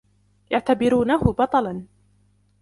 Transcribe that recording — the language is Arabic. يعتبرونه بطلاً.